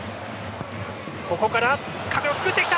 ここから壁を作ってきた。